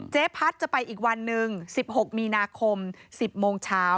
พัฒน์จะไปอีกวันหนึ่ง๑๖มีนาคม๑๐โมงเช้า